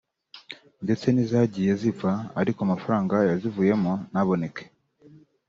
ndetse n’izagiye zipfa ariko amafaranga yazivuyemo ntaboneke